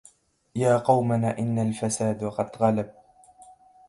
يا قومنا إن الفساد قد غلب